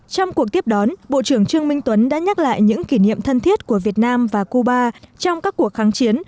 trong cuộc tiếp đón bộ trưởng trương minh tuấn đã nhắc lại những kỷ niệm thân thiết của việt nam và cuba trong các cuộc kháng chiến